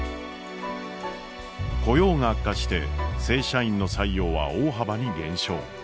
雇用が悪化して正社員の採用は大幅に減少。